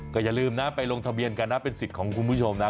ก็อย่าลืมนะไปลงทะเบียนกันนะเป็นสิทธิ์ของคุณผู้ชมนะ